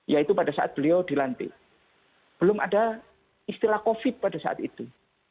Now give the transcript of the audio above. yaitu pada saat beliau dilantik belum ada istilah covid pada saat itu